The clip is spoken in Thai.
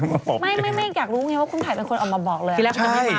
ไม่อยากรู้ไงว่าคุณภัยเป็นคนออกมาบอกเลย